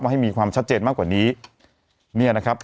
ให้มีความชัดเจนมากกว่านี้เนี่ยนะครับ